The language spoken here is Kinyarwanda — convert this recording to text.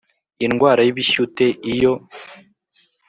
Indwara y ibishyute iyo